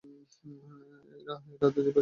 এর আদিনিবাস এশিয়া মহাদেশ।